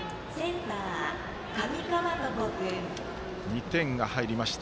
２点が入りました